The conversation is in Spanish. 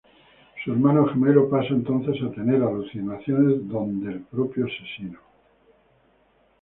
Su hermano gemelo pasa entonces a tener alucinaciones donde el propio asesino…